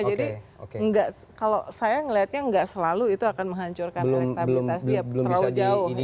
jadi kalau saya ngelihatnya nggak selalu itu akan menghancurkan elektabilitas dia terlalu jauh